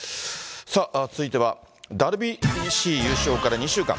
さあ、続いてはＷＢＣ優勝から２週間。